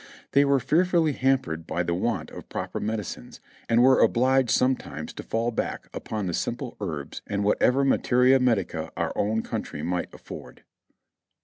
They were fearfully hampered by the want of proper medicines and were obliged sometimes to fall back upon the simple herbs and whatever materia medica our own country might afford.